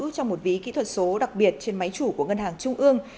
trong một ví kỹ thuật số đặc biệt trên máy chủ của ngân hàng trung ương